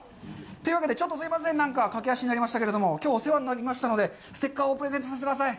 というわけでちょっとすいません、何か駆け足になりましたけど、きょうお世話になりましたのでステッカーをプレゼントさせてください。